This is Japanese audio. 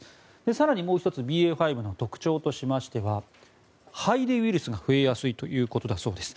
更にもう１つＢＡ．５の特徴としましては肺でウイルスが増えやすいということだそうです。